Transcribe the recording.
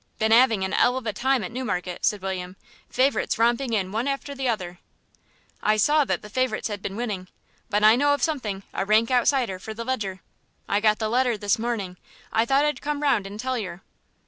"Been 'aving an 'ell of a time at Newmarket," said William; "favourites romping in one after the other." "I saw that the favourites had been winning. But I know of something, a rank outsider, for the Leger. I got the letter this morning. I thought I'd come round and tell yer."